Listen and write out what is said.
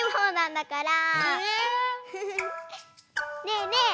ねえねえ